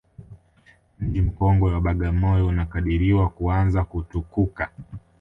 Mji mkongwe wa Bagamoyo unakadiriwa kuanza kutukuka